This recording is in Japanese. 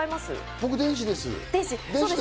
僕、電子です。